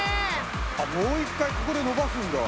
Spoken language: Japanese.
あっもう一回ここで伸ばすんだ。